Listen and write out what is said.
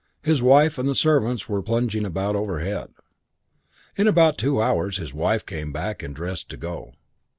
His wife and the servants were plunging about overhead. "In about two hours his wife came back dressed to go.